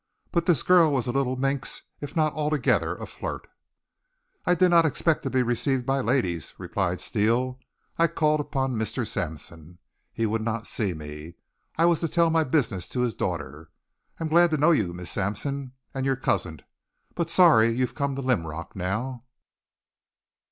But this girl was a little minx if not altogether a flirt. "I did not expect to be received by ladies," replied Steele. "I called upon Mr. Sampson. He would not see me. I was to tell my business to his daughter. I'm glad to know you, Miss Sampson and your cousin, but sorry you've come to Linrock now."